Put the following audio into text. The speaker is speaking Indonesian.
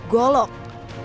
mr diambilkan sebilah golok